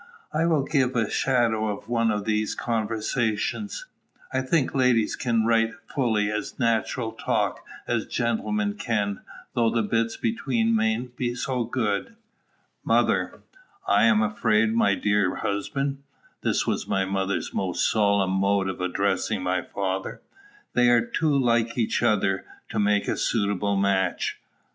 I will give a shadow of one of these conversations. I think ladies can write fully as natural talk as gentlemen can, though the bits between mayn't be so good. Mother. I am afraid, my dear husband [This was my mother's most solemn mode of addressing my father], "they are too like each other to make a suitable match."